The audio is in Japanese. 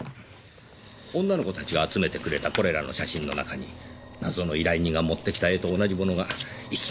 女の子たちが集めてくれたこれらの写真の中に謎の依頼人が持ってきた絵と同じものが１枚だけありました。